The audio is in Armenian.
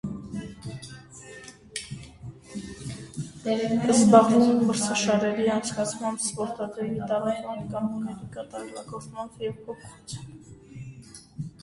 Զբաղվում է մրցաշարերի անցկացմամբ, սպորտաձևի տարածմամբ, կանոնների կատարելագործմամբ և փոփոխությամբ։